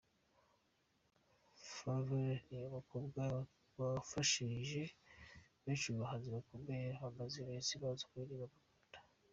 Favour ni umukobwa wafashije benshi mu bahanzi bakomeye bamaze iminsi baza kuririmba mu Rwanda.